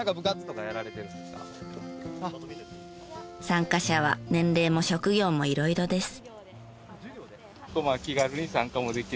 参加者は年齢も職業も色々です。